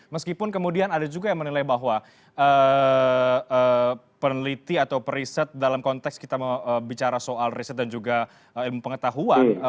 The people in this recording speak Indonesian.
meskipun kemudian ada juga yang menilai bahwa peneliti atau periset dalam konteks kita bicara soal riset dan juga ilmu pengetahuan